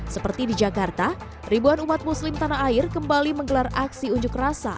seperti di jakarta ribuan umat muslim tanah air kembali menggelar aksi unjuk rasa